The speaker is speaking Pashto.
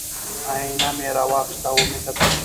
ائینه مې را واخیسته او ومې کتل چې